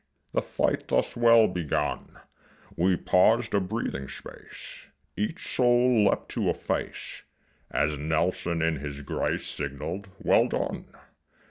The fight thus well begun, We paused a breathing space; Each soul leapt to a face As Nelson in his grace Signaled "Well done!"